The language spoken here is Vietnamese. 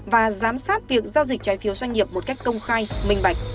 và giám sát việc giao dịch trái phiếu doanh nghiệp một cách công khai minh bạch